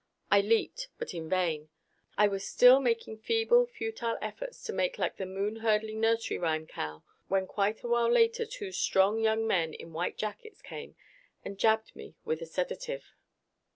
I leaped but in vain. I was still making feeble, futile efforts to make like the moon hurdling nursery rhyme cow when quite a while later two strong young men in white jackets came and jabbed me with a sedative